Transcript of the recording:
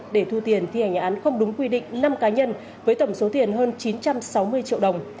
để thu tiền thi hành án không đúng quy định năm cá nhân với tổng số tiền hơn chín trăm sáu mươi triệu đồng